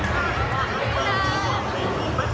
ขอบคุณสไตล์รุ่นรับวันมาก